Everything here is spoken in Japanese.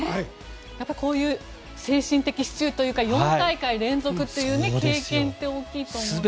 こういう精神的支柱というか４大会連続という経験って大きいと思います。